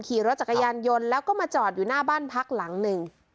ขี่รถจักรยานยนต์แล้วก็มาจอดอยู่หน้าบ้านพักหลังหนึ่ง